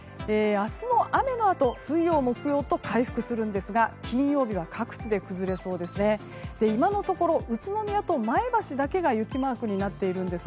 明日の雨のあと水曜、木曜と回復しますが金曜日は各地で崩れそうですね。